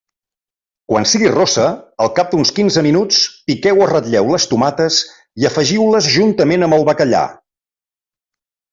Quan sigui rossa, al cap d'uns quinze minuts, piqueu o ratlleu les tomates i afegiu-les juntament amb el bacallà.